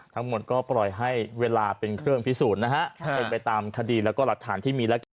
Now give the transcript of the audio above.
ทั้งหมดก็ปล่อยให้เวลาเป็นเครื่องพิสูจน์นะฮะเป็นไปตามคดีแล้วก็หลักฐานที่มีแล้วกัน